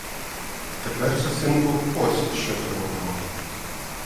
Тепер же синку ось що зробимо.